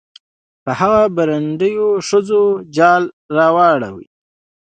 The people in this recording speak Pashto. په هغه بربنډو ښځو جال روالي.